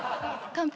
完璧。